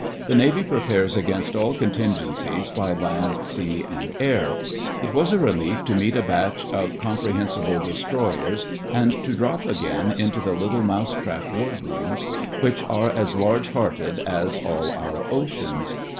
The Navy prepares against all contin gencies by land, sea, and air. It was a relief to meet a batch of compre hensible destroyers and to drop again into the little mouse trap wardrooms, which are as large hearted as all our oceans.